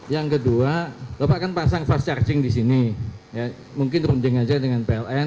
yang kedua bapak akan pasang fast charging di sini mungkin runding saja dengan pln